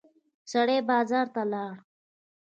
سړی بازار ته لاړ.